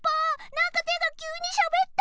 なんかてがきゅうにしゃべった！